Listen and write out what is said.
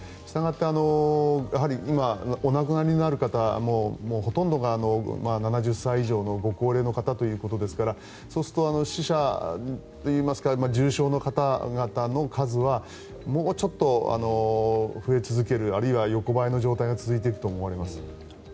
したがって、やはり今お亡くなりになる方のほとんどが７０歳以上のご高齢の方ということですからそうすると死者といいますか重症の方々の数はもうちょっと増え続けるあるいは横ばいの状態が続いていくと思われます。